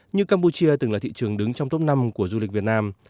như campuchia từng là thị trường đứng trong top năm của du lịch việt nam